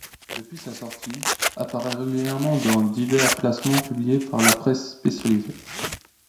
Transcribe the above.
Depuis sa sortie, ' apparaît régulièrement dans divers classements publiés par la presse spécialisée.